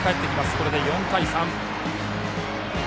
これで４対３。